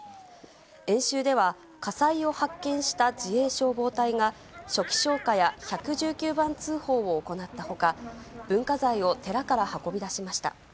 演習では、火災を発見した自衛消防隊が、初期消火や１１９番通報を行ったほか、文化財を寺から運び出しました。